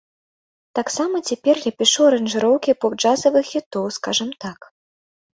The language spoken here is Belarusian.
Таксама цяпер я пішу аранжыроўкі поп-джазавых хітоў, скажам так.